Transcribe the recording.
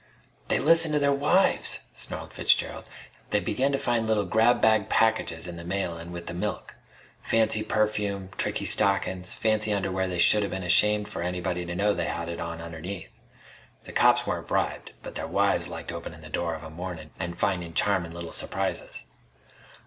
"They listened to their wives!" snarled Fitzgerald. "They begun to find little grabbag packages in the mail an' with the milk. Fancy perfume. Tricky stockin's. Fancy underwear they shoulda been ashamed for anybody to know they had it on underneath. The cops weren't bribed, but their wives liked openin' the door of a mornin' an' findin' charmin' little surprises."